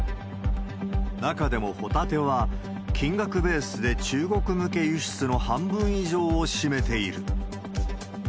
中でもホタテは、金額ベースで中国向け輸出の半分以上を占めている。